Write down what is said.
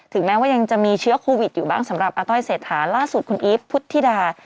แม้ว่ายังจะมีเชื้อโควิดอยู่บ้างสำหรับอาต้อยเศรษฐาล่าสุดคุณอีฟพุทธิดา